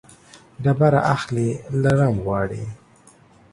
ډبره اخلي ، لړم غواړي.